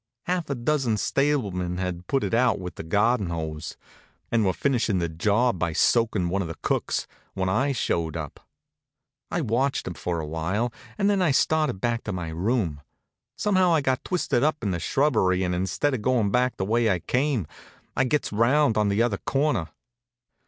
Half a dozen stablemen had put it out with the garden hose, and were finishin' the job by soakin' one of the cooks, when I showed up. I watched 'em for a while, and then started back to my room. Somehow I got twisted up in the shrubbery, and instead of goin' back the way I came, I gets around on the other corner.